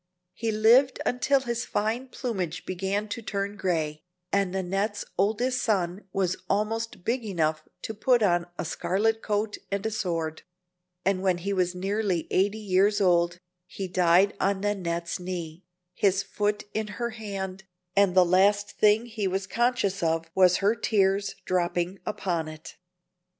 He lived until his fine plumage began to turn gray, and Nannette's oldest son was almost big enough to put on a scarlet coat and a sword; and when he was nearly eighty years old he died on Nannette's knee, his foot in her hand, and the last thing he was conscious of was her tears dropping upon it.